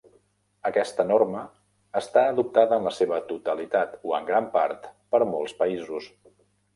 Aquesta norma està adoptada en la seva totalitat o en gran part per molts països.